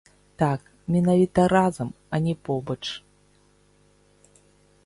Так, менавіта разам, а не побач.